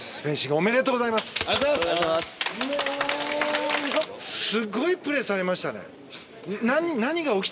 ありがとうございます。